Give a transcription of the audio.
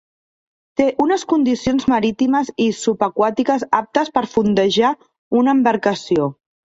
Té unes condicions marítimes i subaquàtiques aptes per fondejar una embarcació.